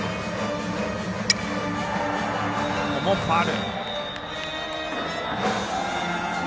ここもファウル。